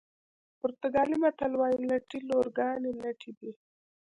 پرتګالي متل وایي لټې لورګانې لټه دي.